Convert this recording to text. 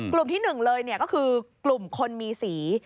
กลุ่มที่หนึ่งเลยเนี่ยก็คือกลุ่มคนมีสี